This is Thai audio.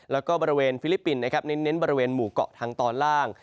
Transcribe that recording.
แล้วก็บริเวณฟิลิปปินส์นะครับเน้นบริเวณหมู่เกาะทางตอนล่าง